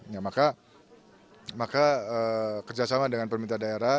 ya maka kerjasama dengan pemerintah daerah